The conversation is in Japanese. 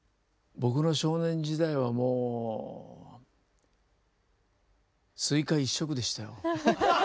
僕の少年時代はもうスイカ一色でしたよ。